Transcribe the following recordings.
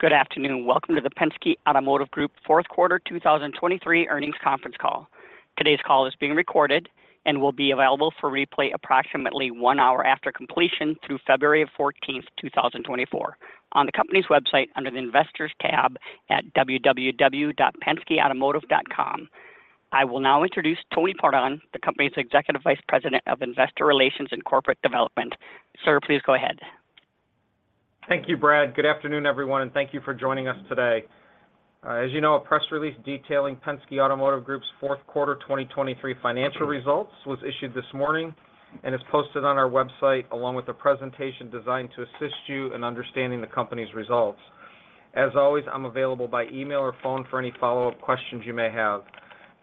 Good afternoon. Welcome to the Penske Automotive Group Fourth Quarter 2023 Earnings Conference Call. Today's call is being recorded and will be available for replay approximately one hour after completion through February 14, 2024, on the company's website under the Investors tab at www.penskeautomotive.com. I will now introduce Tony Pordon, the company's Executive Vice President of Investor Relations and Corporate Development. Sir, please go ahead. Thank you, Brad. Good afternoon, everyone, and thank you for joining us today. As you know, a press release detailing Penske Automotive Group's fourth quarter 2023 financial results was issued this morning and is posted on our website, along with a presentation designed to assist you in understanding the company's results. As always, I'm available by email or phone for any follow-up questions you may have.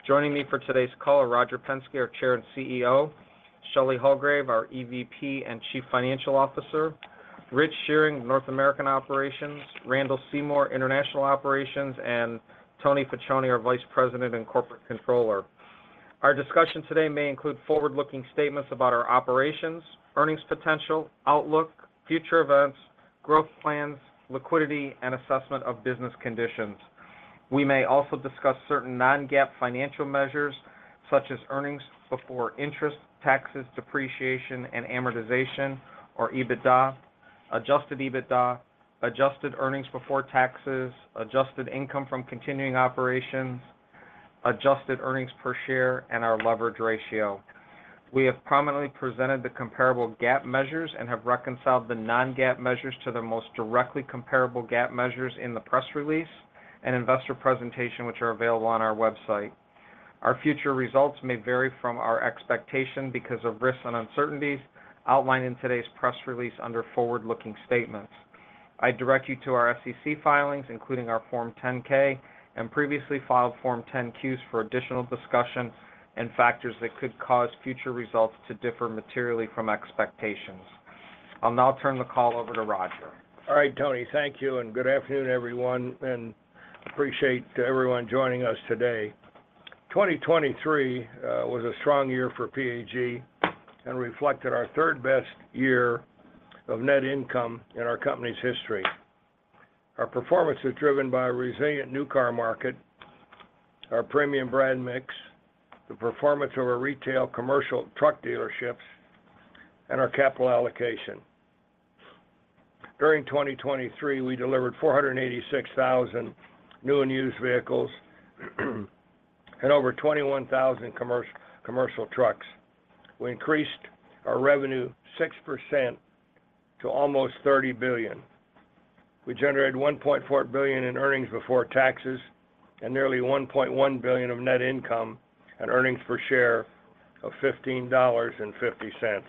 Joining me for today's call are Roger Penske, our Chair and CEO, Shelley Hulgrave, our EVP and Chief Financial Officer, Rich Shearing, North American Operations, Randall Seymore, International Operations, and Tony Facione, our Vice President and Corporate Controller. Our discussion today may include forward-looking statements about our operations, earnings potential, outlook, future events, growth plans, liquidity, and assessment of business conditions. We may also discuss certain non-GAAP financial measures, such as earnings before interest, taxes, depreciation, and amortization, or EBITDA, adjusted EBITDA, adjusted earnings before taxes, adjusted income from continuing operations, adjusted earnings per share, and our leverage ratio. We have prominently presented the comparable GAAP measures and have reconciled the non-GAAP measures to the most directly comparable GAAP measures in the press release and investor presentation, which are available on our website. Our future results may vary from our expectation because of risks and uncertainties outlined in today's press release under forward-looking statements. I direct you to our SEC filings, including our Form 10-K and previously filed Form 10-Qs for additional discussion and factors that could cause future results to differ materially from expectations. I'll now turn the call over to Roger. All right, Tony, thank you, and good afternoon, everyone, and appreciate everyone joining us today. 2023 was a strong year for PAG and reflected our third best year of net income in our company's history. Our performance is driven by a resilient new car market, our premium brand mix, the performance of our retail commercial truck dealerships, and our capital allocation. During 2023, we delivered 486,000 new and used vehicles, and over 21,000 commercial trucks. We increased our revenue 6% to almost $30 billion. We generated $1.4 billion in earnings before taxes and nearly $1.1 billion of net income and earnings per share of $15.50.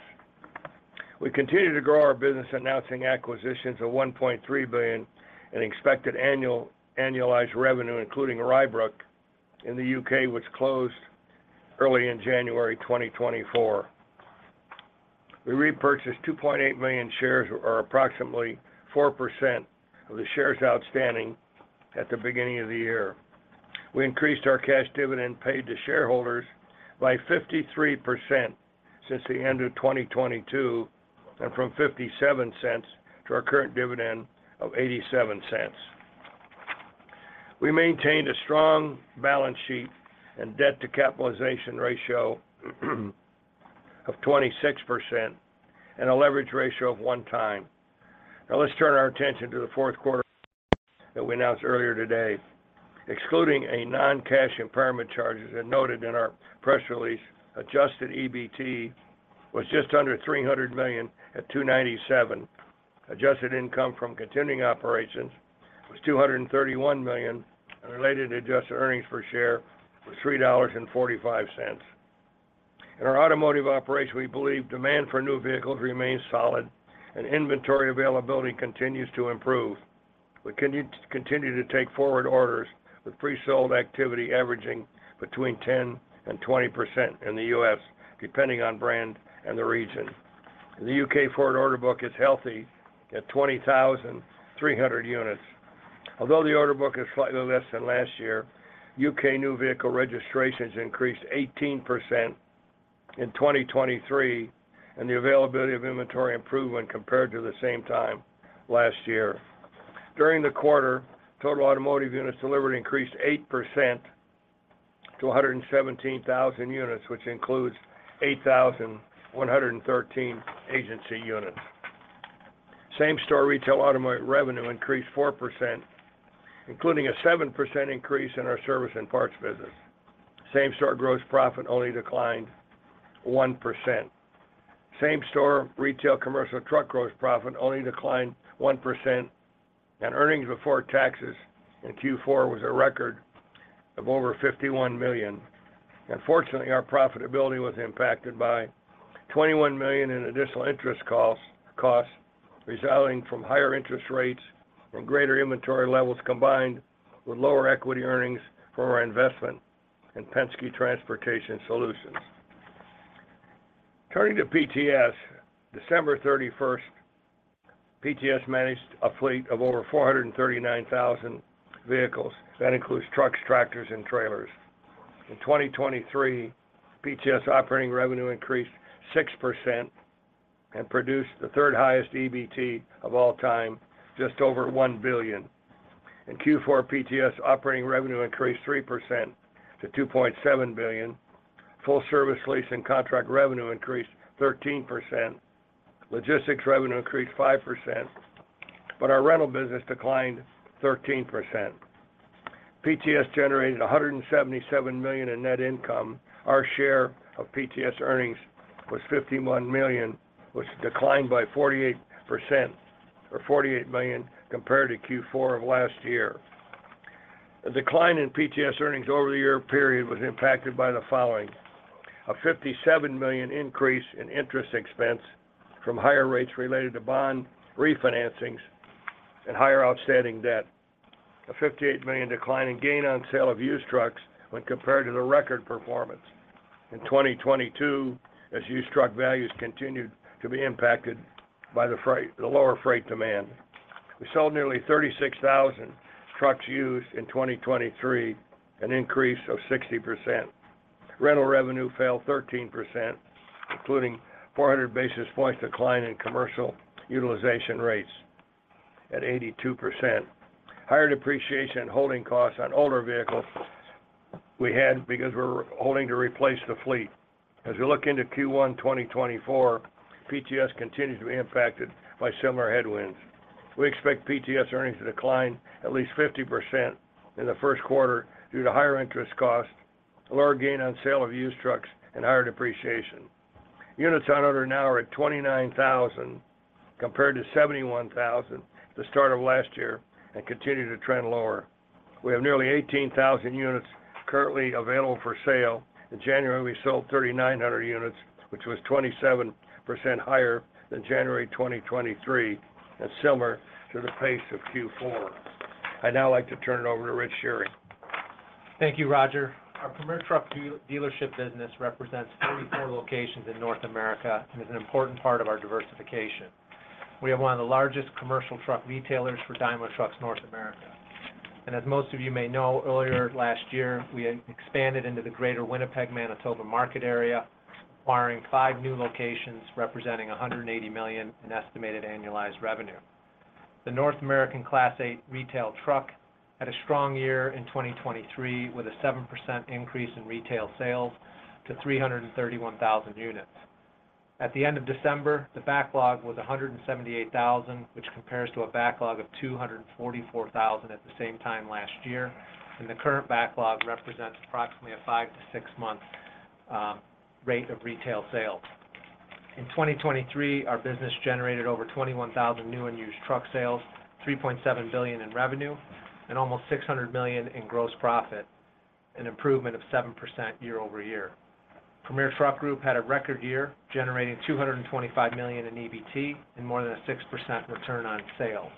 We continued to grow our business, announcing acquisitions of $1.3 billion in expected annualized revenue, including Rybrook in the U.K., which closed early in January 2024. We repurchased 2.8 million shares, or approximately 4% of the shares outstanding at the beginning of the year. We increased our cash dividend paid to shareholders by 53% since the end of 2022, and from $0.57 to our current dividend of $0.87. We maintained a strong balance sheet and debt to capitalization ratio of 26% and a leverage ratio of 1x. Now, let's turn our attention to the fourth quarter that we announced earlier today. Excluding a non-cash impairment charges and noted in our press release, adjusted EBT was just under $300 million at $297 million. Adjusted income from continuing operations was $231 million, and related adjusted earnings per share was $3.45. In our automotive operations, we believe demand for new vehicles remains solid and inventory availability continues to improve. We continue to take forward orders, with pre-sold activity averaging between 10% and 20% in the U.S., depending on brand and the region. The U.K. forward order book is healthy at 20,300 units. Although the order book is slightly less than last year, U.K. new vehicle registrations increased 18% in 2023, and the availability of inventory improvement compared to the same time last year. During the quarter, total automotive units delivered increased 8% to 117,000 units, which includes 8,113 agency units. Same-store retail automotive revenue increased 4%, including a 7% increase in our service and parts business. Same-store gross profit only declined 1%. Same-store retail commercial truck gross profit only declined 1%, and earnings before taxes in Q4 was a record of over $51 million. Unfortunately, our profitability was impacted by $21 million in additional interest costs, costs resulting from higher interest rates and greater inventory levels, combined with lower equity earnings from our investment in Penske Transportation Solutions. Turning to PTS, December 31, PTS managed a fleet of over 439,000 vehicles. That includes trucks, tractors, and trailers. In 2023, PTS operating revenue increased 6% and produced the third highest EBT of all time, just over $1 billion. In Q4, PTS operating revenue increased 3% to $2.7 billion. Full service lease and contract revenue increased 13%. Logistics revenue increased 5%, but our rental business declined 13%. PTS generated $177 million in net income. Our share of PTS earnings was $51 million, which declined by 48% or $48 million compared to Q4 of last year. The decline in PTS earnings over the year period was impacted by the following: A $57 million increase in interest expense from higher rates related to bond refinancings and higher outstanding debt. A $58 million decline in gain on sale of used trucks when compared to the record performance in 2022, as used truck values continued to be impacted by the lower freight demand. We sold nearly 36,000 trucks used in 2023, an increase of 60%. Rental revenue fell 13%, including 400 basis points decline in commercial utilization rates at 82%. Higher depreciation and holding costs on older vehicles we had because we're holding to replace the fleet. As we look into Q1 2024, PTS continues to be impacted by similar headwinds. We expect PTS earnings to decline at least 50% in the first quarter due to higher interest costs, a lower gain on sale of used trucks, and higher depreciation. Units on order now are at 29,000, compared to 71,000 at the start of last year, and continue to trend lower. We have nearly 18,000 units currently available for sale. In January, we sold 3,900 units, which was 27% higher than January 2023, and similar to the pace of Q4. I'd now like to turn it over to Rich Shearing. Thank you, Roger. Our Premier Truck dealership business represents 34 locations in North America and is an important part of our diversification. We have one of the largest commercial truck retailers for Daimler Trucks North America. As most of you may know, earlier last year, we expanded into the greater Winnipeg, Manitoba, market area, acquiring five new locations, representing $180 million in estimated annualized revenue. The North American Class 8 retail truck had a strong year in 2023, with a 7% increase in retail sales to 331,000 units. At the end of December, the backlog was 178,000, which compares to a backlog of 244,000 at the same time last year, and the current backlog represents approximately a five- to six-month rate of retail sales. In 2023, our business generated over 21,000 new and used truck sales, $3.7 billion in revenue, and almost $600 million in gross profit, an improvement of 7% year-over-year. Premier Truck Group had a record year, generating $225 million in EBT and more than a 6% return on sale.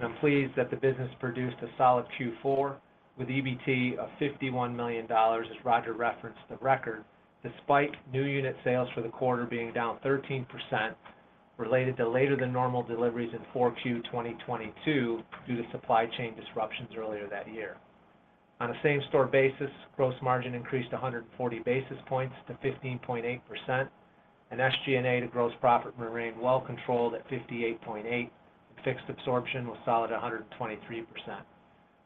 I'm pleased that the business produced a solid Q4 with EBT of $51 million, as Roger referenced the record, despite new unit sales for the quarter being down 13% related to later than normal deliveries in 4Q 2022 due to supply chain disruptions earlier that year. On a same-store basis, gross margin increased 140 basis points to 15.8%, and SG&A to gross profit remained well controlled at 58.8. Fixed absorption was solid at 123%.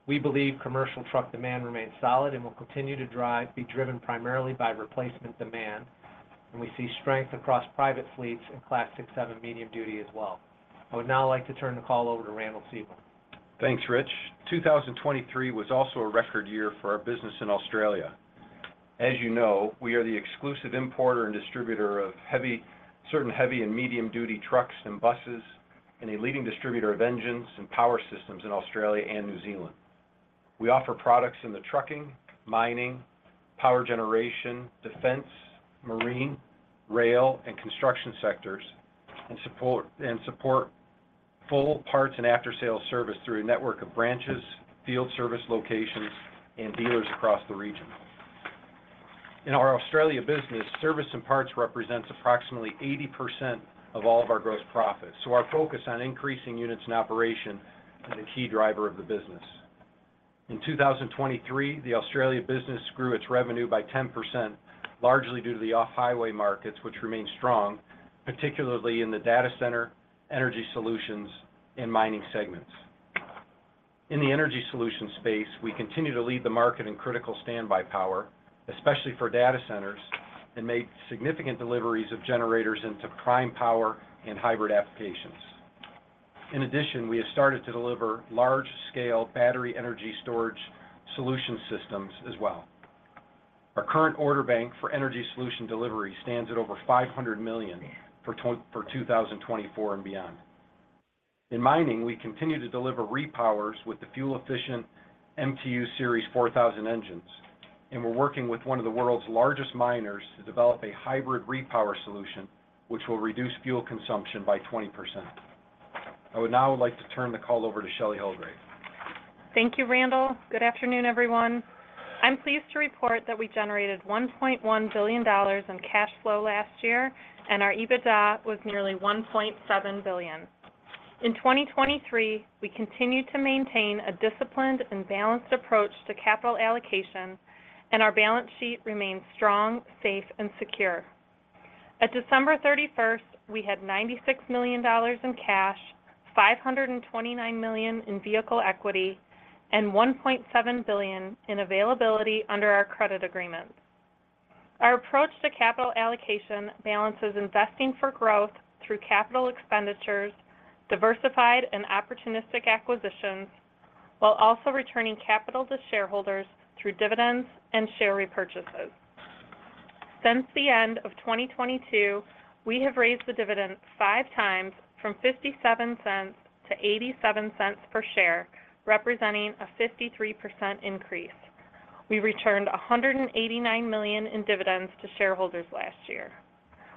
We believe commercial truck demand remains solid and will continue to drive- be driven primarily by replacement demand, and we see strength across private fleets in Class 6 and 7 medium duty as well. I would now like to turn the call over to Randall Seymore. Thanks, Rich. 2023 was also a record year for our business in Australia. As you know, we are the exclusive importer and distributor of certain heavy and medium duty trucks and buses, and a leading distributor of engines and power systems in Australia and New Zealand. We offer products in the trucking, mining, power generation, defense, marine, rail, and construction sectors, and support full parts and after-sale service through a network of branches, field service locations, and dealers across the region. In our Australia business, service and parts represents approximately 80% of all of our gross profits, so our focus on increasing units in operation is a key driver of the business. In 2023, the Australia business grew its revenue by 10%, largely due to the off-highway markets, which remain strong, particularly in the data center, energy solutions, and mining segments. In the energy solution space, we continue to lead the market in critical standby power, especially for data centers, and made significant deliveries of generators into prime power and hybrid applications. In addition, we have started to deliver large-scale battery energy storage solution systems as well. Our current order bank for energy solution delivery stands at over $500 million for 2024 and beyond. In mining, we continue to deliver repowers with the fuel-efficient MTU Series 4000 engines, and we're working with one of the world's largest miners to develop a hybrid repower solution, which will reduce fuel consumption by 20%. I would now like to turn the call over to Shelley Hulgrave. Thank you, Randall. Good afternoon, everyone. I'm pleased to report that we generated $1.1 billion in cash flow last year, and our EBITDA was nearly $1.7 billion. In 2023, we continued to maintain a disciplined and balanced approach to capital allocation, and our balance sheet remains strong, safe, and secure. At December 31, we had $96 million in cash, $529 million in vehicle equity, and $1.7 billion in availability under our credit agreements. Our approach to capital allocation balances investing for growth through capital expenditures, diversified and opportunistic acquisitions, while also returning capital to shareholders through dividends and share repurchases. Since the end of 2022, we have raised the dividend 5x from $0.57 to $0.87 per share, representing a 53% increase. We returned $189 million in dividends to shareholders last year.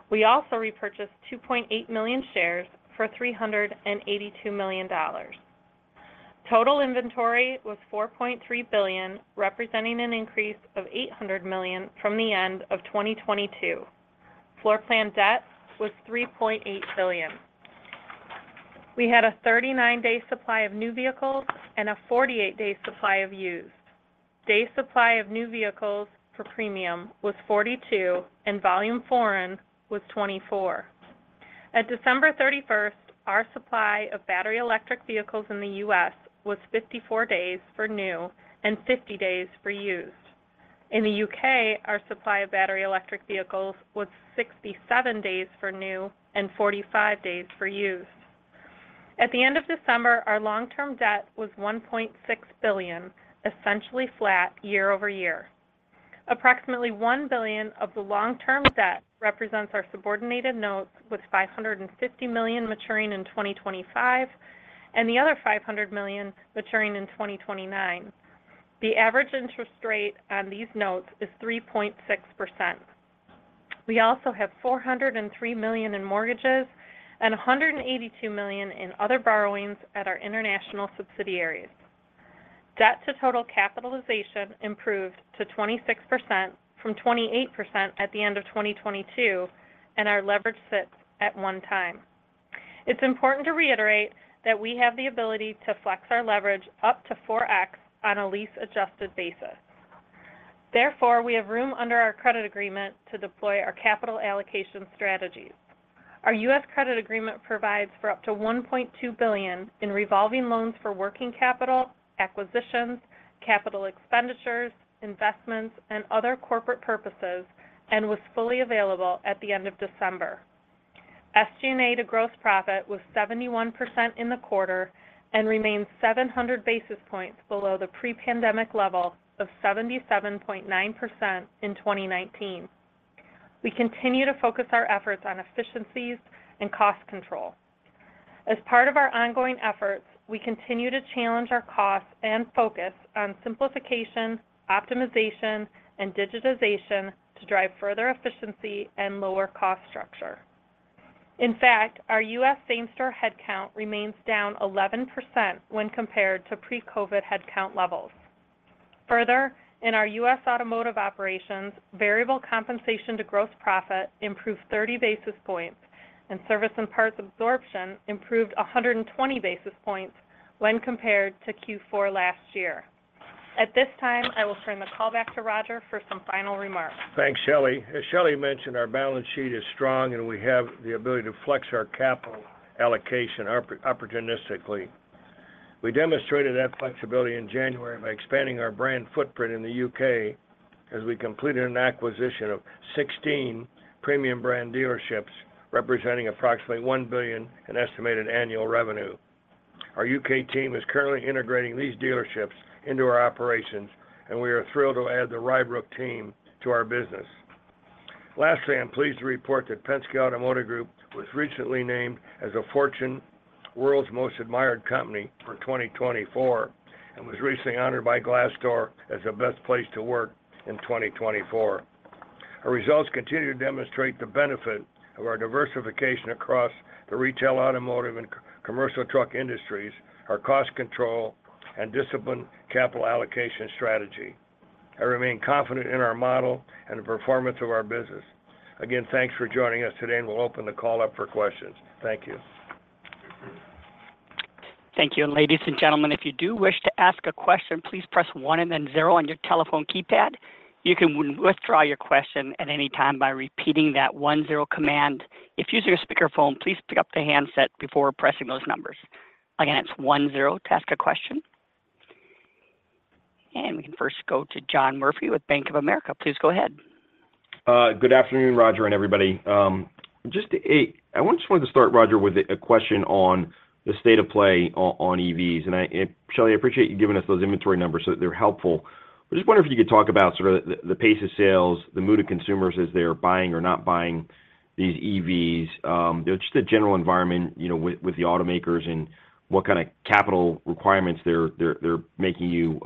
We also repurchased 2.8 million shares for $382 million. Total inventory was $4.3 billion, representing an increase of $800 million from the end of 2022. Floor plan debt was $3.8 billion. We had a 39-day supply of new vehicles and a 48-day supply of used. Day supply of new vehicles for premium was 42, and volume foreign was 24. At December 31, our supply of battery electric vehicles in the U.S. was 54 days for new and 50 days for used. In the U.K., our supply of battery electric vehicles was 67 days for new and 45 days for used. At the end of December, our long-term debt was $1.6 billion, essentially flat year-over-year. Approximately $1 billion of the long-term debt represents our subordinated notes, with $550 million maturing in 2025 and the other $500 million maturing in 2029. The average interest rate on these notes is 3.6%. We also have $403 million in mortgages and $182 million in other borrowings at our international subsidiaries. Debt to total capitalization improved to 26% from 28% at the end of 2022, and our leverage sits at 1x. It's important to reiterate that we have the ability to flex our leverage up to 4x on a lease adjusted basis. Therefore, we have room under our credit agreement to deploy our capital allocation strategies. Our U.S. credit agreement provides for up to $1.2 billion in revolving loans for working capital, acquisitions, capital expenditures, investments, and other corporate purposes, and was fully available at the end of December. SG&A to gross profit was 71% in the quarter and remains 700 basis points below the pre-pandemic level of 77.9% in 2019. We continue to focus our efforts on efficiencies and cost control. As part of our ongoing efforts, we continue to challenge our costs and focus on simplification, optimization, and digitization to drive further efficiency and lower cost structure. In fact, our U.S. same-store headcount remains down 11% when compared to pre-COVID headcount levels. Further, in our U.S. automotive operations, variable compensation to gross profit improved 30 basis points, and service and parts absorption improved 120 basis points when compared to Q4 last year. At this time, I will turn the call back to Roger for some final remarks. Thanks, Shelley. As Shelley mentioned, our balance sheet is strong, and we have the ability to flex our capital allocation opportunistically. We demonstrated that flexibility in January by expanding our brand footprint in the U.K. as we completed an acquisition of 16 premium brand dealerships, representing approximately $1 billion in estimated annual revenue. Our U.K. team is currently integrating these dealerships into our operations, and we are thrilled to add the Rybrook team to our business. Lastly, I'm pleased to report that Penske Automotive Group was recently named as a Fortune World's Most Admired Company for 2024 and was recently honored by Glassdoor as the Best Place to Work in 2024. Our results continue to demonstrate the benefit of our diversification across the retail, automotive, and commercial truck industries, our cost control, and disciplined capital allocation strategy. I remain confident in our model and the performance of our business. Again, thanks for joining us today, and we'll open the call up for questions. Thank you. Thank you. And ladies and gentlemen, if you do wish to ask a question, please press one and then zero on your telephone keypad. You can withdraw your question at any time by repeating that one-zero command. If using a speakerphone, please pick up the handset before pressing those numbers. Again, it's one-zero to ask a question. And we can first go to John Murphy with Bank of America. Please go ahead. Good afternoon, Roger and everybody. Just wanted to start, Roger, with a question on the state of play on EVs. I appreciate you giving us those inventory numbers, they're helpful. I just wonder if you could talk about sort of the pace of sales, the mood of consumers as they're buying or not buying these EVs, just the general environment, you know, with the automakers and what kind of capital requirements they're making you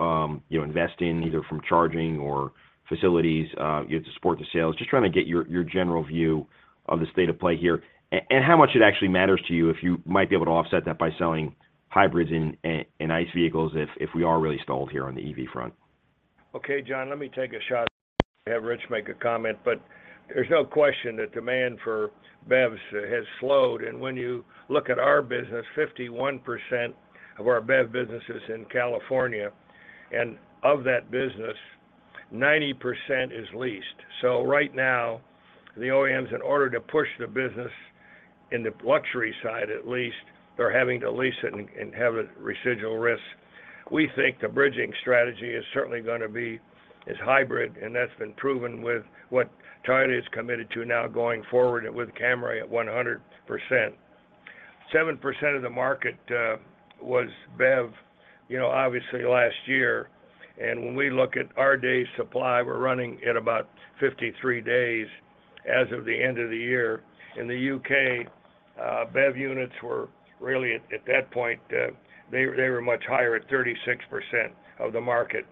invest in, either from charging or facilities, you know, to support the sales. Just trying to get your general view of the state of play here and how much it actually matters to you if you might be able to offset that by selling hybrids and ICE vehicles if we are really stalled here on the EV front? Okay, John, let me take a shot then have Rich make a comment. But there's no question the demand for BEVs has slowed, and when you look at our business, 51% of our BEV business is in California, and of that business, 90% is leased. So right now, the OEMs, in order to push the business in the luxury side, at least, they're having to lease it and, and have a residual risk. We think the bridging strategy is certainly gonna be as hybrid, and that's been proven with what Toyota is committed to now going forward with Camry at 100%. 7% of the market was BEV, you know, obviously last year, and when we look at our day supply, we're running at about 53 days as of the end of the year. In the U.K., BEV units were really, at that point, they were much higher at 36% of the market.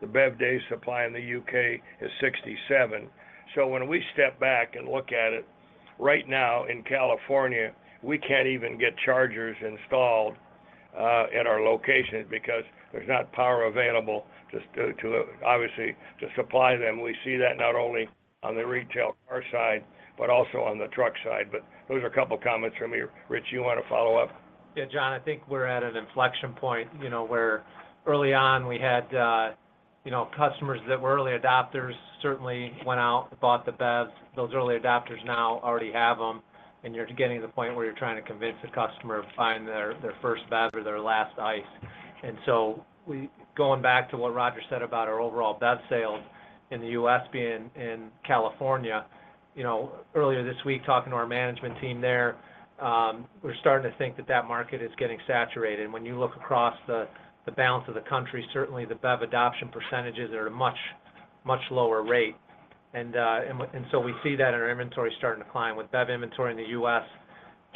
The BEV day supply in the U.K. is 67. So when we step back and look at it, right now in California, we can't even get chargers installed at our locations because there's not power available to obviously supply them. We see that not only on the retail car side, but also on the truck side. But those are a couple comments from me. Rich, you want to follow up? Yeah, John, I think we're at an inflection point, you know, where early on, we had, you know, customers that were early adopters, certainly went out and bought the BEVs. Those early adopters now already have them, and you're getting to the point where you're trying to convince a customer to find their, their first BEV or their last ICE. And so we, going back to what Roger said about our overall BEV sales in the U.S. being in California, you know, earlier this week, talking to our management team there, we're starting to think that that market is getting saturated. When you look across the, the balance of the country, certainly the BEV adoption percentages are at a much, much lower rate. And, and so we see that in our inventory starting to decline. With BEV inventory in the U.S.,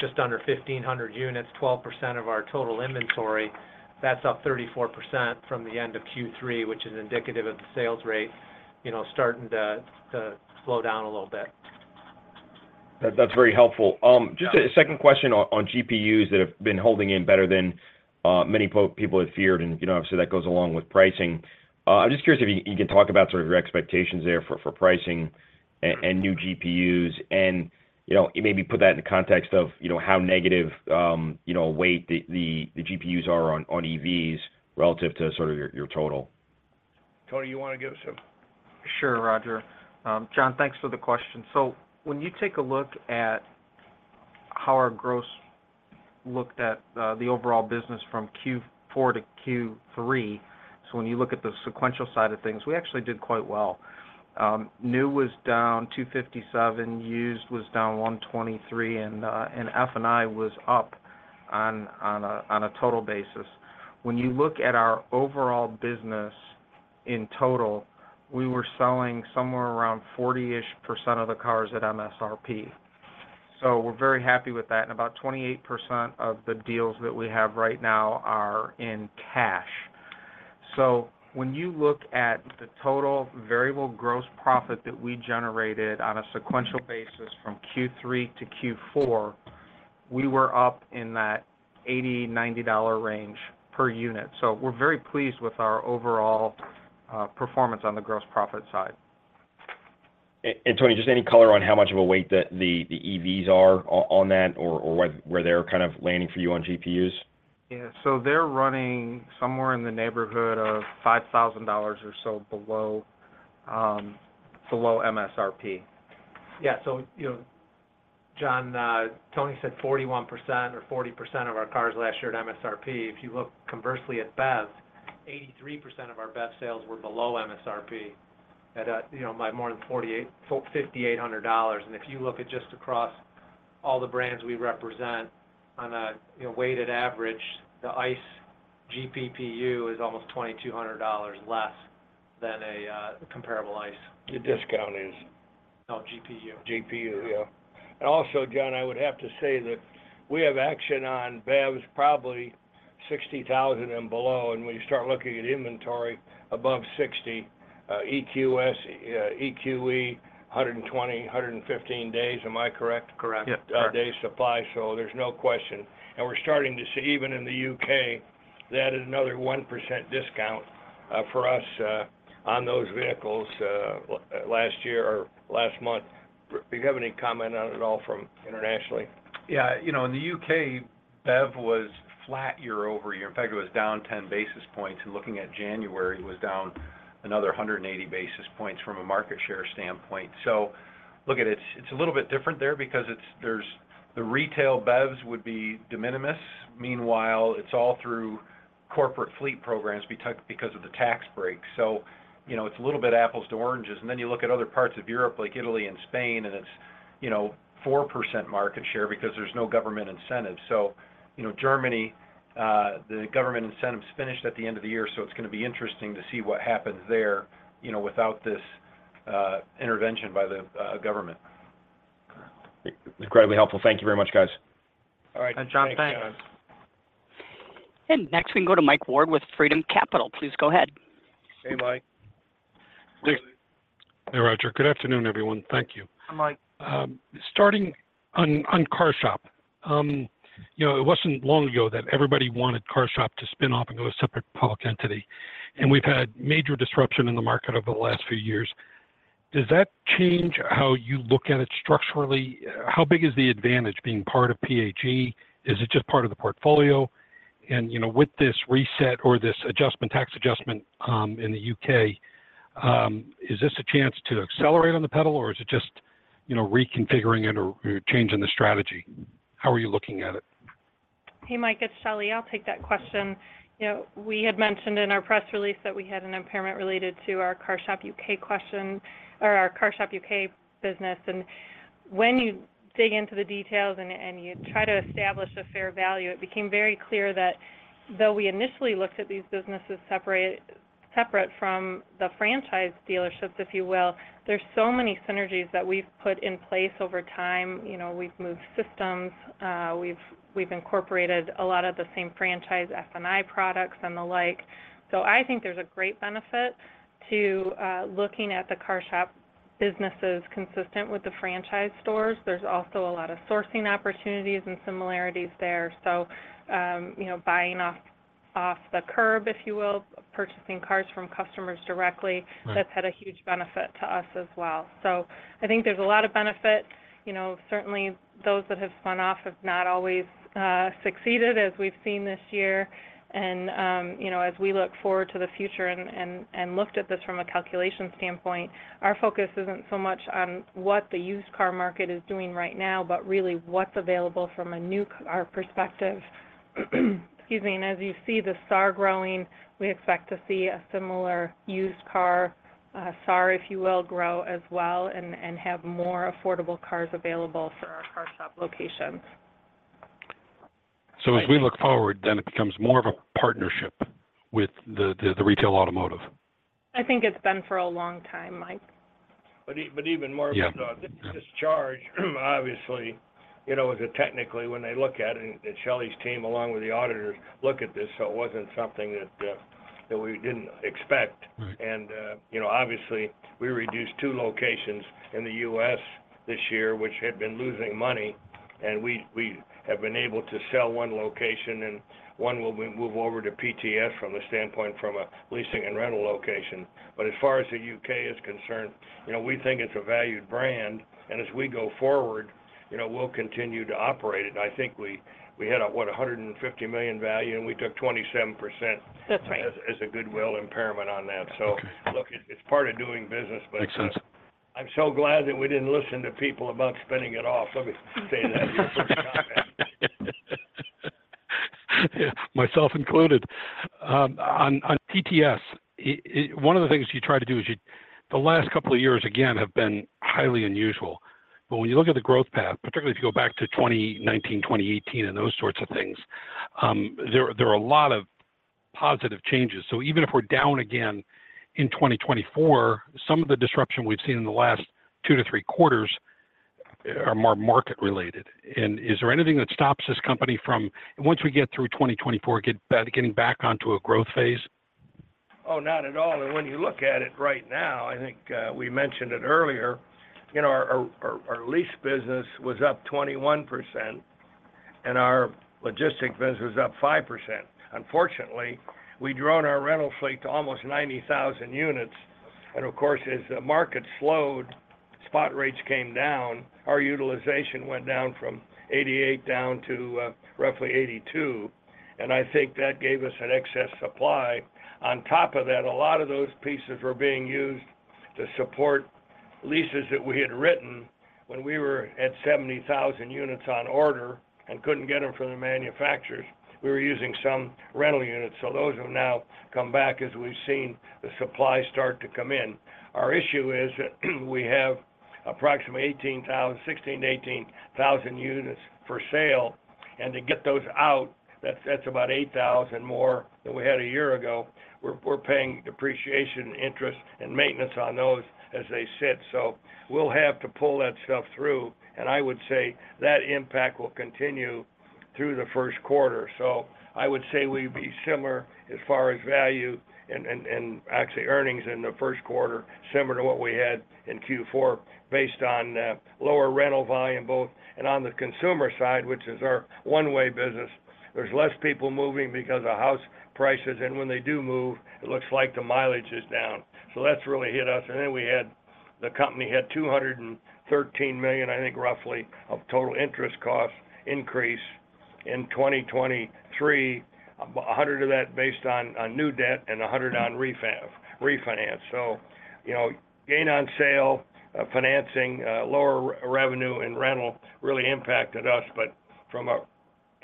just under 1,500 units, 12% of our total inventory, that's up 34% from the end of Q3, which is indicative of the sales rate, you know, starting to slow down a little bit. That, that's very helpful. Just a second question on GPUs that have been holding in better than many people have feared, and, you know, obviously, that goes along with pricing. I'm just curious if you can talk about sort of your expectations there for pricing and new GPUs. And, you know, maybe put that in the context of, you know, how negative, you know, weight the GPUs are on EVs relative to sort of your total. Tony, you want to give us some? Sure, Roger. John, thanks for the question. So when you take a look at how our gross looked at the overall business from Q4 to Q3, so when you look at the sequential side of things, we actually did quite well. New was down $257, used was down $123, and F&I was up on a total basis. When you look at our overall business in total, we were selling somewhere around 40%-ish of the cars at MSRP. So we're very happy with that, and about 28% of the deals that we have right now are in cash. So when you look at the total variable gross profit that we generated on a sequential basis from Q3 to Q4, we were up in that $80-$90 range per unit. We're very pleased with our overall performance on the gross profit side. And Tony, just any color on how much of a weight the EVs are on that or where they're kind of landing for you on GPUs? Yeah. So they're running somewhere in the neighborhood of $5,000 or so below MSRP. Yeah, so, you know, John, Tony said 41% or 40% of our cars last year at MSRP. If you look conversely at BEVs, 83% of our BEV sales were below MSRP by more than $4,800, $5,800. And if you look at just across all the brands we represent on a, you know, weighted average, the ICE GPPU is almost $2,200 less than a comparable ICE. The discount is? Oh, GPU. GPU, yeah. And also, John, I would have to say that we have action on BEVs, probably 60,000 and below. And when you start looking at inventory above 60, EQS, EQE, 120 days, 115 days, am I correct? Correct. Yep. Our day supply, so there's no question. And we're starting to see, even in the U.K., that is another 1% discount for us on those vehicles last year or last month. Do you have any comment on it at all from internationally? Yeah, you know, in the U.K., BEV was flat year over year. In fact, it was down 10 basis points, and looking at January, it was down another 180 basis points from a market share standpoint. So look, it's a little bit different there because it's, there's the retail BEVs would be de minimis. Meanwhile, it's all through corporate fleet programs because of the tax break. So, you know, it's a little bit apples to oranges, and then you look at other parts of Europe, like Italy and Spain, and it's, you know, 4% market share because there's no government incentive. So, you know, Germany, the government incentive is finished at the end of the year, so it's gonna be interesting to see what happens there, you know, without this intervention by the government. Incredibly helpful. Thank you very much, guys. All right John. Thanks. And next, we can go to Mike Ward with Freedom Capital. Please go ahead. Hey, Mike. Hey, Roger. Good afternoon, everyone. Thank you. Hi, Mike. Starting on CarShop, you know, it wasn't long ago that everybody wanted CarShop to spin off into a separate public entity, and we've had major disruption in the market over the last few years. Does that change how you look at it structurally? How big is the advantage being part of PHG? Is it just part of the portfolio? And, you know, with this reset or this adjustment, tax adjustment, in the U.K., is this a chance to accelerate on the pedal, or is it just, you know, reconfiguring it or changing the strategy? How are you looking at it? Hey, Mike, it's Shelley. I'll take that question. You know, we had mentioned in our press release that we had an impairment related to our CarShop U.K. operations or our CarShop U.K. business. When you dig into the details and you try to establish a fair value, it became very clear that though we initially looked at these businesses separate, separate from the franchise dealerships, if you will, there's so many synergies that we've put in place over time. You know, we've moved systems, we've incorporated a lot of the same franchise F&I products and the like. So I think there's a great benefit to looking at the CarShop businesses consistent with the franchise stores. There's also a lot of sourcing opportunities and similarities there. So, you know, buying off the curb, if you will, purchasing cars from customers directly, Right ...that's had a huge benefit to us as well. So I think there's a lot of benefit. You know, certainly, those that have spun off have not always succeeded, as we've seen this year. And you know, as we look forward to the future and looked at this from a calculation standpoint, our focus isn't so much on what the used car market is doing right now, but really what's available from a new car perspective. Excuse me, and as you see the SAAR growing, we expect to see a similar used car SAAR, if you will, grow as well and have more affordable cars available for our CarShop locations. So as we look forward, then it becomes more of a partnership with the retail automotive? I think it's been for a long time, Mike. But even more... Yeah... discharge, obviously, you know, as a technically, when they look at it, and Shelley's team, along with the auditors, look at this, so it wasn't something that, that we didn't expect. Right. You know, obviously, we reduced two locations in the U.S. this year, which had been losing money, and we have been able to sell one location, and one will move over to PTS from the standpoint from a leasing and rental location. But as far as the U.K. is concerned, you know, we think it's a valued brand, and as we go forward, you know, we'll continue to operate it. I think we had, what, $150 million value, and we took 27%... That's right... as a goodwill impairment on that. Look, it's part of doing business, but... Makes sense... I'm so glad that we didn't listen to people about spinning it off. Let me say that. Myself included. On PTS, one of the things you try to do is you, The last couple of years, again, have been highly unusual, but when you look at the growth path, particularly if you go back to 2019, 2018, and those sorts of things, there are a lot of positive changes. So even if we're down again in 2024, some of the disruption we've seen in the last two to three quarters are more market-related. And is there anything that stops this company from, once we get through 2024, get back, getting back onto a growth phase? Oh, not at all. And when you look at it right now, I think, we mentioned it earlier, you know, our lease business was up 21% and our logistic business was up 5%. Unfortunately, we'd grown our rental fleet to almost 90,000 units, and of course, as the market slowed, spot rates came down. Our utilization went down from 88% down to roughly 82%, and I think that gave us an excess supply. On top of that, a lot of those pieces were being used to support leases that we had written when we were at 70,000 units on order and couldn't get them from the manufacturers. We were using some rental units, so those have now come back as we've seen the supply start to come in. Our issue is we have approximately 18,000, 16,000-18,000 units for sale, and to get those out, that's, that's about 8,000 more than we had a year ago. We're, we're paying depreciation, interest, and maintenance on those as they sit, so we'll have to pull that stuff through, and I would say that impact will continue through the first quarter. So I would say we'd be similar as far as value and, and, and actually earnings in the first quarter, similar to what we had in Q4, based on lower rental volume both. And on the consumer side, which is our one-way business, there's less people moving because of house prices, and when they do move, it looks like the mileage is down. So that's really hit us. And then the company had $213 million, I think, roughly, of total interest cost increase in 2023. $100 million of that based on, on new debt and $100 million on refinance. So, you know, gain on sale, financing, lower revenue and rental really impacted us. But from an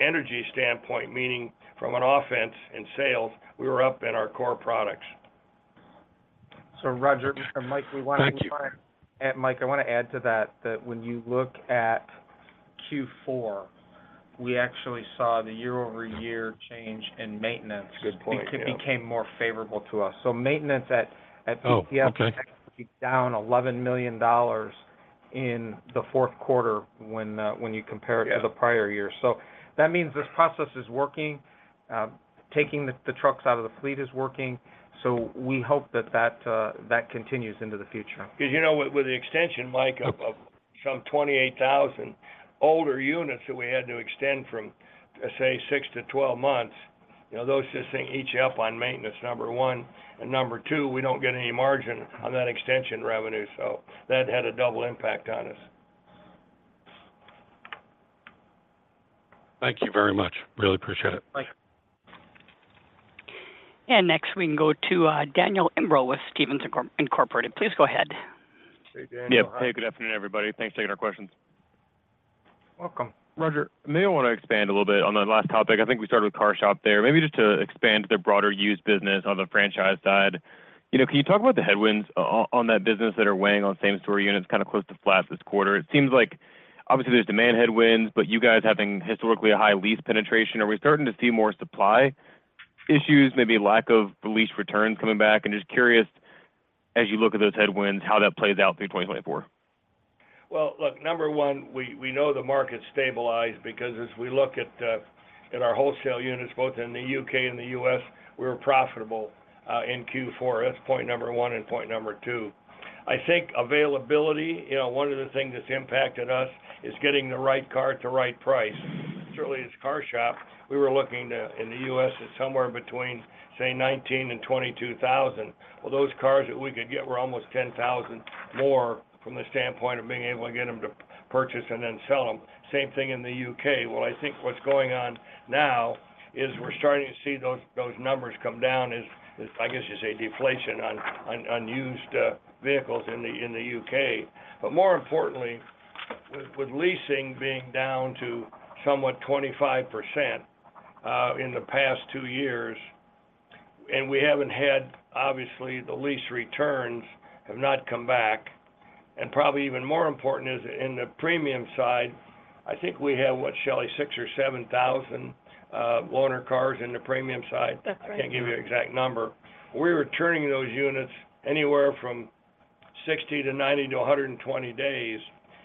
energy standpoint, meaning from an offense in sales, we were up in our core products. Roger and Mike, I want to... Thank you. Mike, I want to add to that, that when you look at Q4, we actually saw the year-over-year change in maintenance... Good point, yeah.... it became more favorable to us. So maintenance at PTS... Oh, okay... was actually down $11 million. In the fourth quarter when you compare it to the prior year. So that means this process is working, taking the trucks out of the fleet is working, so we hope that that continues into the future. Because, you know, with the extension, Mike, of some 28,000 older units that we had to extend from, say, six to 12 months, you know, those just eat up on maintenance, number one. And number two, we don't get any margin on that extension revenue, so that had a double impact on us. Thank you very much. Really appreciate it. Thank you. Next, we can go to Daniel Imbro with Stephens Incorporated. Please go ahead. Hey, Daniel. Yeah. Hey, good afternoon, everybody. Thanks for taking our questions. Welcome. Roger, maybe I want to expand a little bit on the last topic. I think we started with CarShop there. Maybe just to expand the broader used business on the franchise side, you know, can you talk about the headwinds on that business that are weighing on same-store units, kind of close to flat this quarter? It seems like, obviously, there's demand headwinds, but you guys having historically a high lease penetration, are we starting to see more supply issues, maybe lack of lease returns coming back? And just curious, as you look at those headwinds, how that plays out through 2024. Well, look, number one, we, we know the market stabilized because as we look at our wholesale units, both in the U.K. and the U.S., we were profitable in Q4. That's point number one and point number two. I think availability, you know, one of the things that's impacted us is getting the right car at the right price. Certainly, as CarShop, we were looking to, in the U.S., it's somewhere between, say, $19,000 and $22,000. Well, those cars that we could get were almost $10,000 more from the standpoint of being able to get them to purchase and then sell them. Same thing in the U.K. Well, I think what's going on now is we're starting to see those numbers come down as, I guess, you say, deflation on used vehicles in the U.K. But more importantly, with, with leasing being down to somewhat 25% in the past two years, and we haven't had, Obviously, the lease returns have not come back, and probably even more important is in the premium side, I think we have, what, Shelley, 6,000 or 7,000 loaner cars in the premium side? That's right. Can't give you an exact number. We're returning those units anywhere from 60 to 90 to 120 days,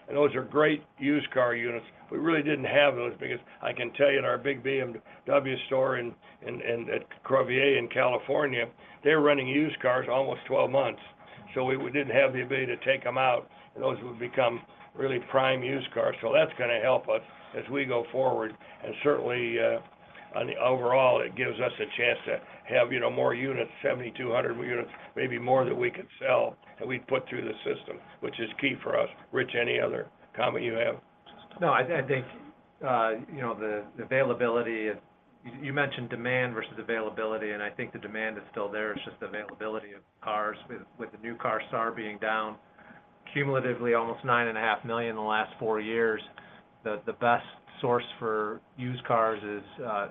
and those are great used car units. We really didn't have those because I can tell you in our big BMW store in Crevier, in California, they're running used cars almost 12 months. So we didn't have the ability to take them out, and those would become really prime used cars. So that's going to help us as we go forward, and certainly on the overall, it gives us a chance to have, you know, more units, 7,200 units, maybe more that we could sell, that we put through the system, which is key for us. Rich, any other comment you have? No, I think, you know, the availability is. You mentioned demand versus availability, and I think the demand is still there. It's just the availability of cars with the new car SAAR being down cumulatively, almost $9.5 million in the last four years. The best source for used cars is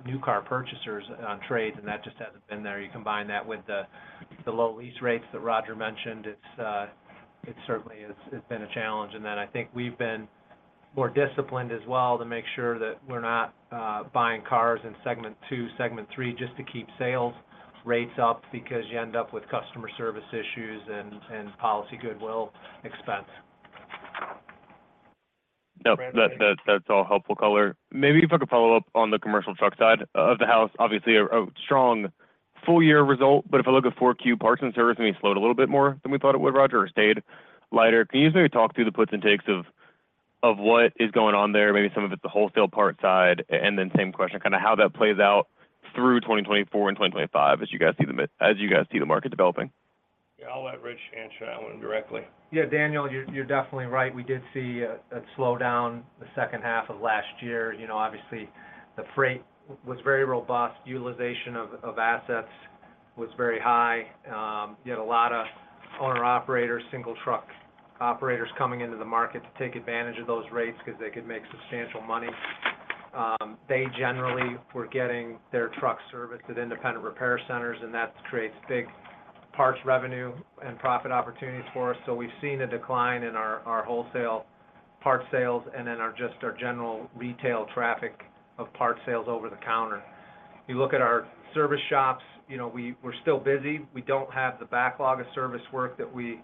new car purchasers on trades, and that just hasn't been there. You combine that with the low lease rates that Roger mentioned, it's certainly. It's been a challenge. And then I think we've been more disciplined as well to make sure that we're not buying cars in segment two, segment three, just to keep sales rates up because you end up with customer service issues and policy goodwill expense. Yep. That's all helpful color. Maybe if I could follow up on the commercial truck side of the house, obviously a strong full year result, but if I look at 4Q parts and service, maybe slowed a little bit more than we thought it would, Roger, or stayed lighter. Can you maybe talk through the puts and takes of what is going on there? Maybe some of it is the wholesale part side, and then same question, kind of how that plays out through 2024 and 2025 as you guys see the market developing. Yeah. I'll let Rich answer that one directly. Yeah, Daniel, you're definitely right. We did see a slowdown the second half of last year. You know, obviously, the freight was very robust. Utilization of assets was very high. You had a lot of owner-operators, single truck operators coming into the market to take advantage of those rates because they could make substantial money. They generally were getting their truck serviced at independent repair centers, and that creates big parts revenue and profit opportunities for us. So we've seen a decline in our wholesale parts sales and in our just our general retail traffic of parts sales over the counter. You look at our service shops, you know, we're still busy. We don't have the backlog of service work that we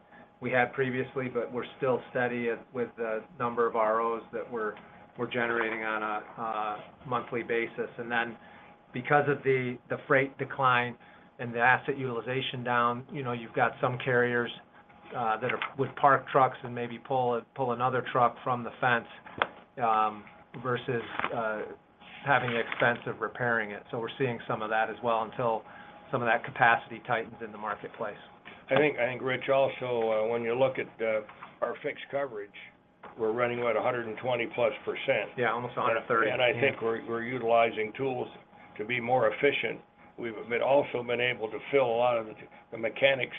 had previously, but we're still steady with the number of ROs that we're generating on a monthly basis. And then because of the freight decline and the asset utilization down, you know, you've got some carriers that would park trucks and maybe pull another truck from the fence versus having the expense of repairing it. So we're seeing some of that as well until some of that capacity tightens in the marketplace. I think, Rich, also, when you look at our fixed absorption, we're running at 120%+. Yeah, almost 130%. And I think we're utilizing tools to be more efficient. We've also been able to fill a lot of the mechanics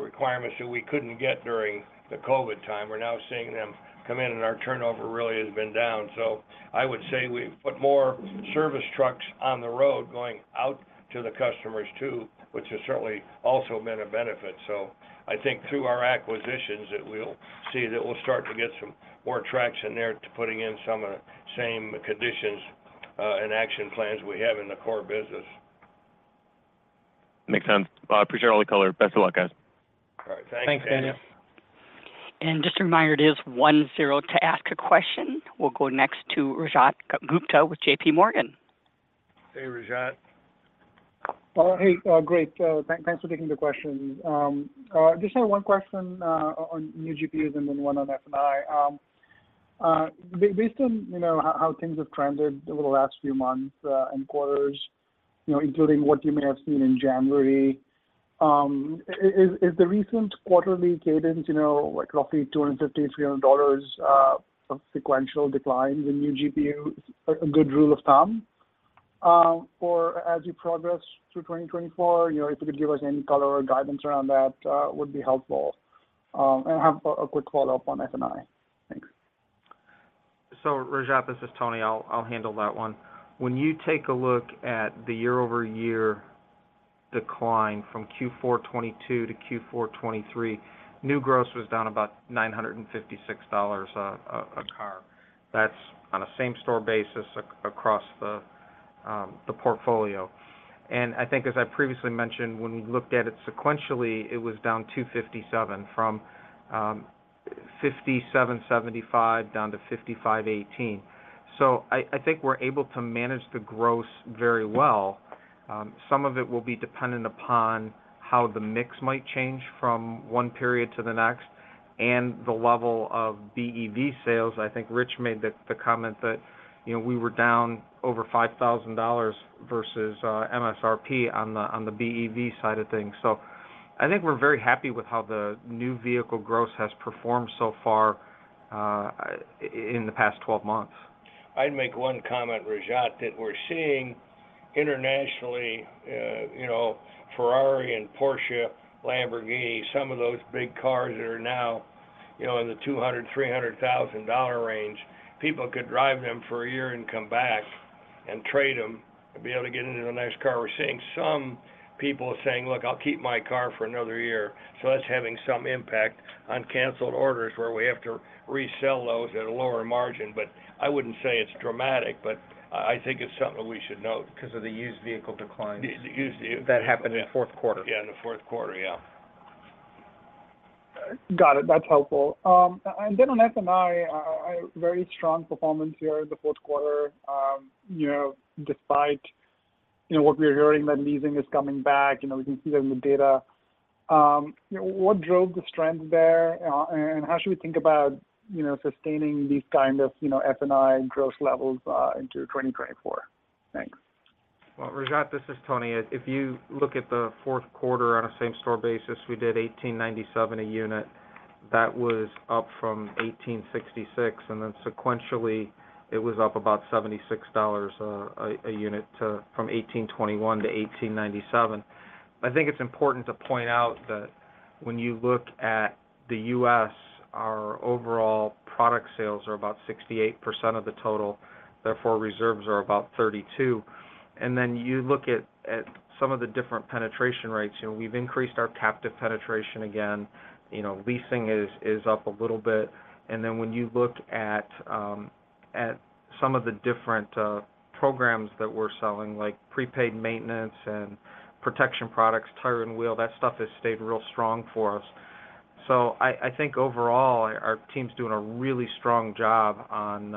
requirements that we couldn't get during the COVID time. We're now seeing them come in, and our turnover really has been down. So I would say we've put more service trucks on the road, going out to the customers, too, which has certainly also been a benefit. So I think through our acquisitions that we'll see that we'll start to get some more traction there to putting in some of the same conditions and action plans we have in the core business. Makes sense. Well, I appreciate all the color. Best of luck, guys. All right. Thanks, Daniel. Thanks, Daniel. Just a reminder, it is one zero to ask a question. We'll go next to Rajat Gupta with JPMorgan. Hey, Rajat. Hey, great. Thanks for taking the questions. I just had one question on new GPUs and then one on F&I. Based on, you know, how things have trended over the last few months and quarters, you know, including what you may have seen in January, is the recent quarterly cadence, you know, like roughly $250-$300 of sequential declines in new GPUs, a good rule of thumb for as you progress through 2024? You know, if you could give us any color or guidance around that, would be helpful. And I have a quick follow-up on F&I. Thanks. So, Rajat, this is Tony. I'll handle that one. When you take a look at the year-over-year decline from Q4 2022 to Q4 2023, new gross was down about $956 a car. That's on a same store basis across the portfolio. And I think as I previously mentioned, when we looked at it sequentially, it was down $257, from $5,775 down to $5,518. So I think we're able to manage the gross very well. Some of it will be dependent upon how the mix might change from one period to the next, and the level of BEV sales. I think Rich made the comment that, you know, we were down over $5,000 versus MSRP on the BEV side of things. So I think we're very happy with how the new vehicle gross has performed so far, in the past 12 months. I'd make one comment, Rajat, that we're seeing internationally, you know, Ferrari and Porsche, Lamborghini, some of those big cars that are now, you know, in the $200,000-$300,000 range, people could drive them for a year and come back and trade them and be able to get into the next car. We're seeing some people saying, "Look, I'll keep my car for another year." So that's having some impact on canceled orders, where we have to resell those at a lower margin, but I wouldn't say it's dramatic, but I think it's something we should note. Because of the used vehicle declines- The used vehicle- that happened in the fourth quarter. Yeah, in the fourth quarter, yeah. Got it. That's helpful. And then on F&I, a very strong performance here in the fourth quarter, you know, [inaudible] what drove the strength there, and how should we think about, you know, sustaining these kind of, you know, F&I gross levels into 2024? Thanks. Well, Rajat, this is Tony. If you look at the fourth quarter on a same store basis, we did $1,897 a unit. That was up from $1,866, and then sequentially, it was up about $76 a unit to from $1,821 to $1,897. I think it's important to point out that when you look at the US, our overall product sales are about 68% of the total, therefore, reserves are about 32%. And then you look at some of the different penetration rates, you know, we've increased our captive penetration again. You know, leasing is up a little bit. And then when you look at some of the different programs that we're selling, like prepaid maintenance and protection products, tire and wheel, that stuff has stayed real strong for us. I think overall, our team's doing a really strong job on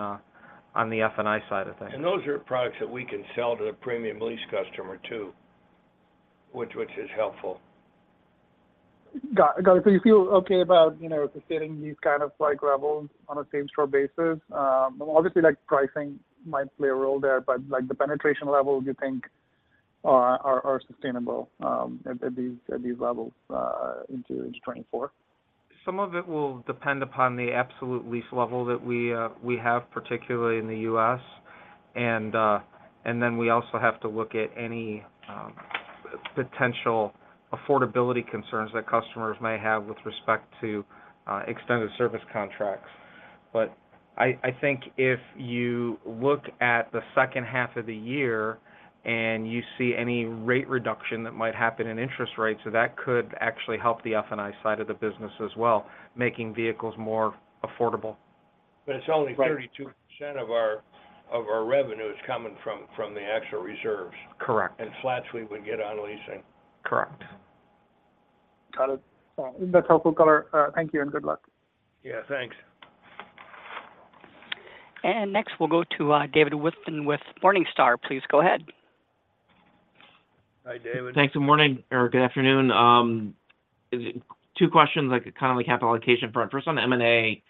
the F&I side of things. Those are products that we can sell to the premium lease customer, too, which is helpful. Got it. Got it. So you feel okay about, you know, sustaining these kind of like levels on a same store basis? Obviously, like, pricing might play a role there, but, like, the penetration levels, you think are sustainable at these levels into 2024? Some of it will depend upon the absolute lease level that we have, particularly in the U.S. And then we also have to look at any potential affordability concerns that customers may have with respect to extended service contracts. But I think if you look at the second half of the year, and you see any rate reduction that might happen in interest rates, so that could actually help the F&I side of the business as well, making vehicles more affordable. But it's only 32% of our revenue is coming from the actual reserves. Correct. And flats we would get on leasing. Correct. Got it. That's helpful color. Thank you and good luck. Yeah, thanks. Next, we'll go to David Whiston with Morningstar. Please go ahead. Hi, David. Thanks. Good morning, or good afternoon. Two questions, like, kind of on capital allocation front. First, on M&A,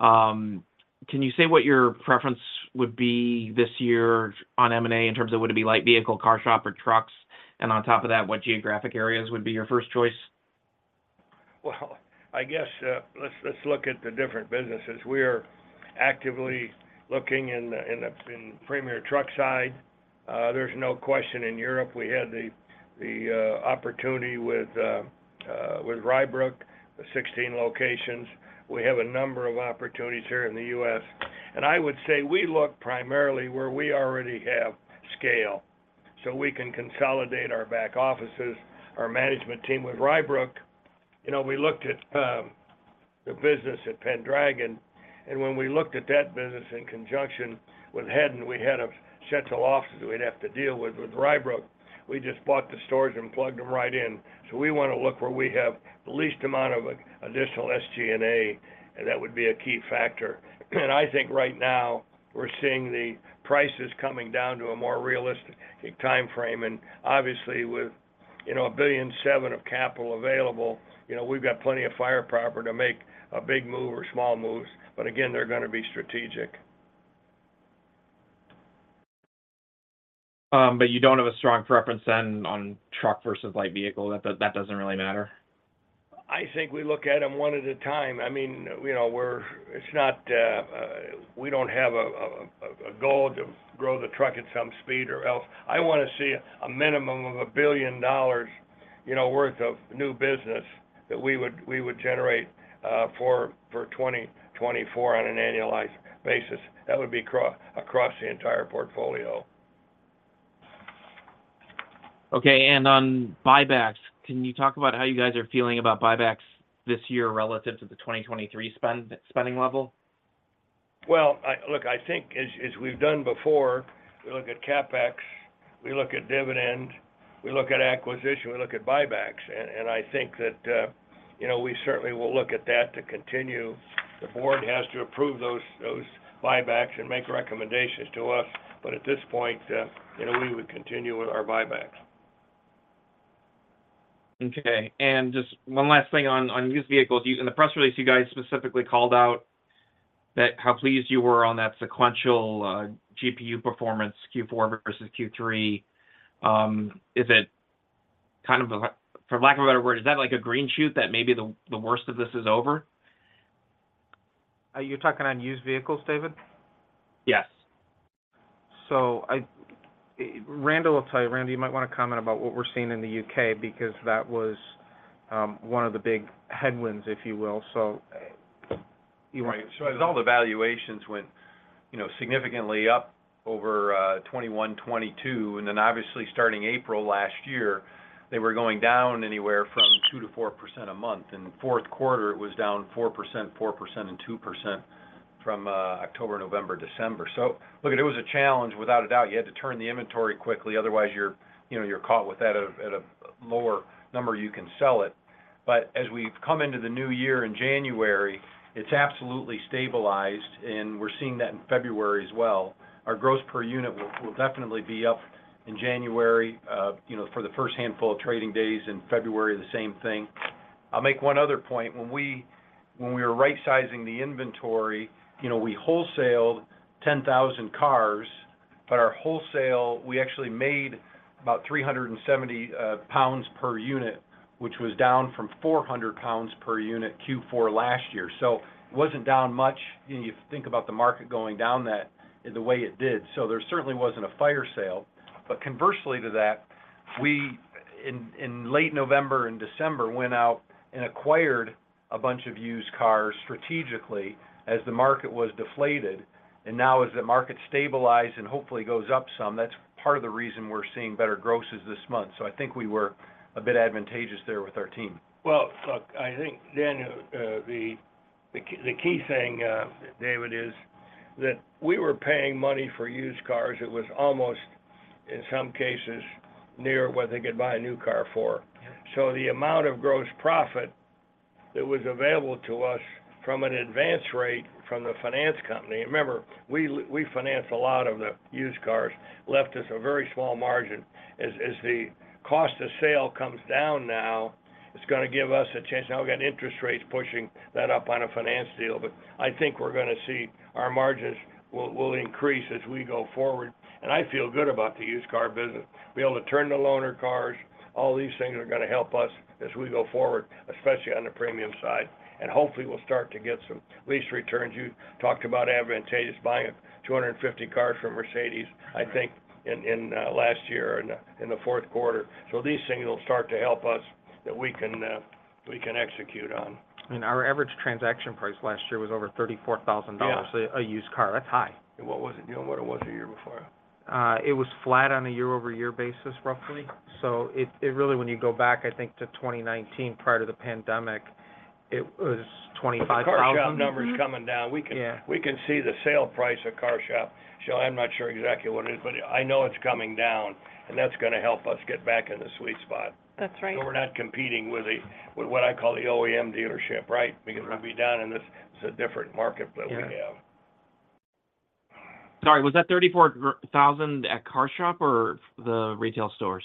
can you say what your preference would be this year on M&A in terms of would it be light vehicle, CarShop, or trucks? And on top of that, what geographic areas would be your first choice? Well, I guess, let's look at the different businesses. We are actively looking in the Premier Truck side. There's no question in Europe, we had the opportunity with Rybrook, the 16 locations. We have a number of opportunities here in the U.S. And I would say we look primarily where we already have scale, so we can consolidate our back offices, our management team. With Rybrook, you know, we looked at the business at Pendragon, and when we looked at that business in conjunction with Hedin, we had a schedule of offices that we'd have to deal with. With Rybrook, we just bought the stores and plugged them right in. So we want to look where we have the least amount of additional SG&A, and that would be a key factor. I think right now we're seeing the prices coming down to a more realistic time frame. Obviously, with, you know, $1.7 billion of capital available, you know, we've got plenty of fire power to make a big move or small moves, but again, they're going to be strategic. But you don't have a strong preference then on truck versus light vehicle, that doesn't really matter? I think we look at them one at a time. I mean, you know, it's not we don't have a goal to grow the truck at some speed or else. I want to see a minimum of $1 billion, you know, worth of new business that we would generate for 2024 on an annualized basis. That would be across the entire portfolio. Okay, and on buybacks, can you talk about how you guys are feeling about buybacks this year relative to the 2023 spending level? Well, look, I think as we've done before, we look at CapEx, we look at dividend, we look at acquisition, we look at buybacks. And I think that, you know, we certainly will look at that to continue. The board has to approve those buybacks and make recommendations to us, but at this point, you know, we would continue with our buybacks. Okay. And just one last thing on used vehicles. You, in the press release, you guys specifically called out that how pleased you were on that sequential GPU performance, Q4 versus Q3. Is it kind of a, for lack of a better word, is that like a green shoot, that maybe the worst of this is over? Are you talking on used vehicles, David? Yes. So, Randall will tell you. Randy you might want to comment about what we're seeing in the U.K., because that was one of the big headwinds, if you will. So you- Right. So as all the valuations went, you know, significantly up over 2021, 2022, and then obviously starting April last year, they were going down anywhere from 2% to 4% a month. In the fourth quarter, it was down 4%, 4%, and 2% from October, November, December. So look, it was a challenge without a doubt. You had to turn the inventory quickly, otherwise, you're, you know, you're caught with at a, at a lower number you can sell it. But as we've come into the new year in January, it's absolutely stabilized, and we're seeing that in February as well. Our gross per unit will, will definitely be up in January, you know, for the first handful of trading days. In February, the same thing. I'll make one other point. When we, when we were rightsizing the inventory, you know, we wholesaled 10,000 cars, but our wholesale, we actually made about 370 pounds per unit, which was down from 400 pounds per unit Q4 last year, so wasn't down much, you know, you think about the market going down that, the way it did. So there certainly wasn't a fire sale. But conversely to that, we, in, in late November and December, went out and acquired a bunch of used cars strategically as the market was deflated. And now as the market stabilize and hopefully goes up some, that's part of the reason we're seeing better grosses this month. So I think we were a bit advantageous there with our team. Well, look, I think then, the key thing, David, is that we were paying money for used cars that was almost, in some cases, near what they could buy a new car for. Yeah. So the amount of gross profit that was available to us from an advance rate from the finance company, remember, we finance a lot of the used cars, left us a very small margin. As the cost of sale comes down now, it's going to give us a chance. Now, we've got interest rates pushing that up on a finance deal, but I think we're going to see our margins will increase as we go forward. And I feel good about the used car business. Be able to turn the loaner cars, all these things are going to help us as we go forward, especially on the premium side. And hopefully, we'll start to get some lease returns. You talked about advantageous buying 250 cars from Mercedes, I think in last year in the fourth quarter. So these things will start to help us, that we can, we can execute on. Our average transaction price last year was over $34,000. Yeah... a used car. That's high. What was it, you know, what it was the year before? It was flat on a year-over-year basis, roughly. So it really, when you go back, I think, to 2019, prior to the pandemic, it was $25,000. The CarShop number is coming down. Yeah. We can, we can see the sale price of CarShop. So I'm not sure exactly what it is, but I know it's coming down, and that's going to help us get back in the sweet spot. That's right. We're not competing with what I call the OEM dealership, right? Because we'll be down in this, it's a different market that we have. Yeah. Sorry, was that $34,000 at CarShop or the retail stores?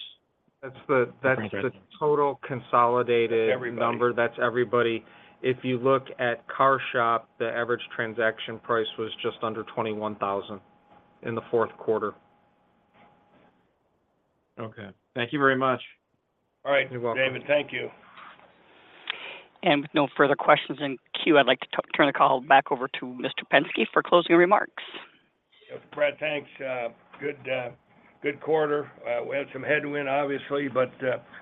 That's the, that's the total consolidated... That's everybody... number. That's everybody. If you look at CarShop, the average transaction price was just under $21,000 in the fourth quarter. Okay. Thank you very much. All right... You're welcome. David, thank you. With no further questions in queue, I'd like to turn the call back over to Mr. Penske for closing remarks. Brad, thanks. Good, good quarter. We had some headwind, obviously, but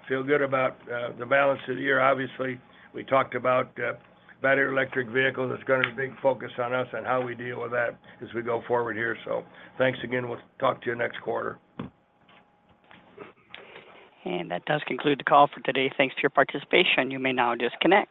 feel good about the balance of the year. Obviously, we talked about battery electric vehicles. It's going to be a big focus on us and how we deal with that as we go forward here. So thanks again. We'll talk to you next quarter. That does conclude the call for today. Thanks to your participation. You may now disconnect.